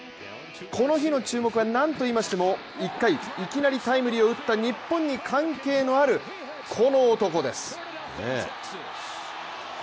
この日の注目はなんといいましても１回、いきなりタイムリーを打った日本に関係のあるこの男です。